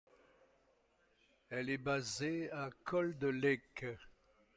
Elle est basée à Cold Lake.